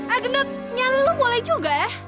agnoth nyali lo boleh juga ya